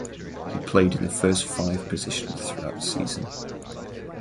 He played in the first five position throughout the season.